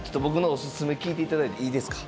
聞いていただいていいですか？